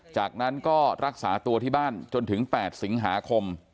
จากนั้นก็รักษาตัวที่บ้านจนถึง๘สิงหาคม